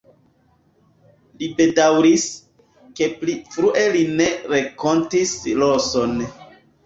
Li bedaŭris, ke pli frue li ne renkontis Roson.